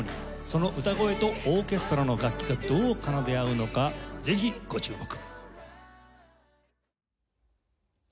その歌声とオーケストラの楽器がどう奏で合うのかぜひご注目。